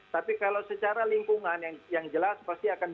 tapi kalau secara lingkungan yang jelas pasti akan